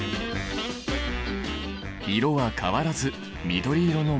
色は変わらず緑色のまま。